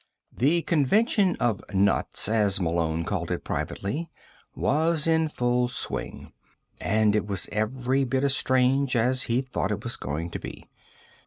The Convention of Nuts, as Malone called it privately, was in full swing. And it was every bit as strange as he'd thought it was going to be.